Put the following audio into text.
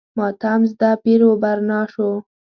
ماتم زده پیر و برنا شو.